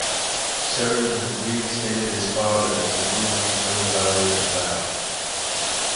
Seru then reinstated his father as the ruling Vunivalu in Bau.